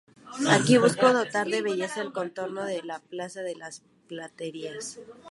Aquí buscó dotar de belleza el contorno de la Plaza de las Platerías.